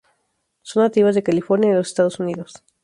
Son nativas de California en los Estados Unidos.